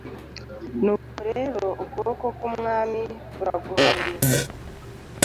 Nuko dore, ukuboko k’Umwami kuraguhannye,